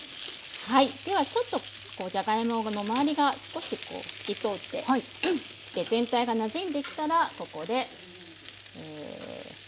はいではちょっとじゃがいもの周りが少しこう透き通ってきて全体がなじんできたらここでえ。